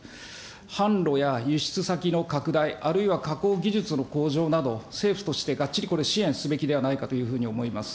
販路や輸出先の拡大、あるいは加工技術の向上など、政府としてがっちりこれ、支援すべきではないかというふうに思います。